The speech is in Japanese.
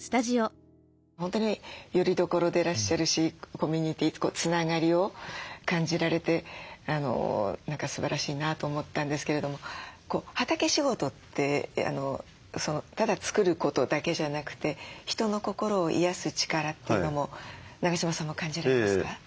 本当によりどころでいらっしゃるしコミュニティーつながりを感じられてすばらしいなと思ったんですけれども畑仕事ってただ作ることだけじゃなくて人の心を癒やす力っていうのも永島さんも感じられますか？